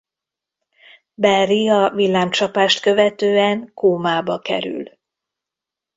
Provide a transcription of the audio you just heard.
Barry a villámcsapást követően kómába kerül.